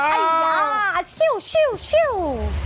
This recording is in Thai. อ้าวชิ้วชิ้วชิ้ว